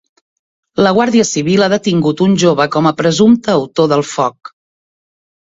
La guàrdia civil ha detingut un jove com a presumpte autor del foc.